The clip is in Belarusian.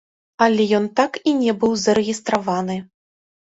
Але ён так і не быў зарэгістраваны.